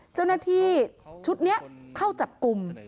เจ้าหน้าที่ชุดนี้เข้าจับกลุ่ม